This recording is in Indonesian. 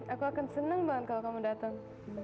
aku akan senang banget kalau kamu datang